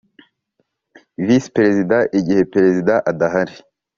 Visi Perezida igihe Perezida adahari